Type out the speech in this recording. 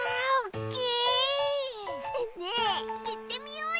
ねえいってみようよ！